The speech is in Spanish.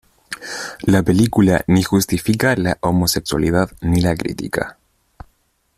La película ni justifica la homosexualidad ni la crítica.